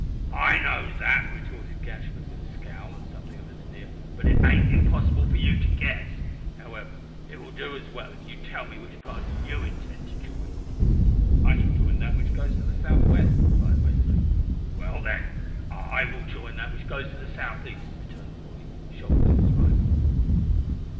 "I know that," retorted Gashford, with a scowl and something of a sneer, "but it ain't impossible for you to guess. However, it will do as well if you tell me which party you intend to join." "I shall join that which goes to the south west," replied Westly. "Well, then, I will join that which goes to the south east," returned the bully, shouldering his rifle.